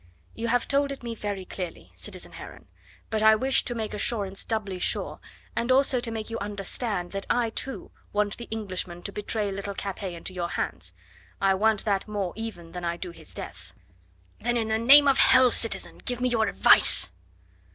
"You have told it me very clearly, citizen Heron; but I wished to make assurance doubly sure, and also make you understand that I, too, want the Englishman to betray little Capet into your hands. I want that more even than I do his death." "Then in the name of hell, citizen, give me your advice."